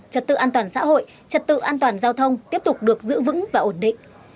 trật tự an toàn xã hội trật tự an toàn giao thông tiếp tục được giữ vững và ổn định